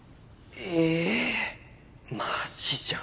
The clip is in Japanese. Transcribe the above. えマジじゃん。